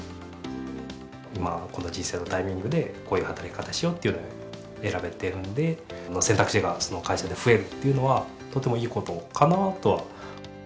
今、この人生のタイミングで、こういう働き方しようって選べてるんで、選択肢が会社で増えるというのは、とてもいいことかなとは。